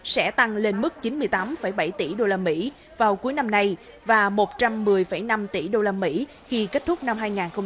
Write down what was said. sẽ tăng lên mức chín mươi tám bảy tỷ đô la mỹ vào cuối năm nay và một trăm một mươi năm tỷ đô la mỹ khi kết thúc năm hai nghìn hai mươi bốn